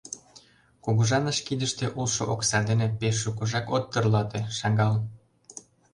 Кугыжаныш кидыште улшо окса дене пеш шукыжак от тӧрлате, шагал.